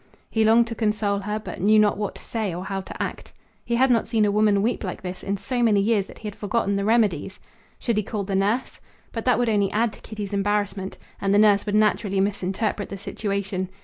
He longed to console her, but knew not what to say or how to act. He had not seen a woman weep like this in so many years that he had forgotten the remedies. Should he call the nurse? But that would only add to Kitty's embarrassment, and the nurse would naturally misinterpret the situation.